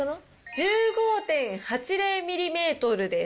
１５．８０ミリメートルです。